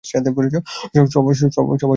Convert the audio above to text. সবাই, উদযাপন করো!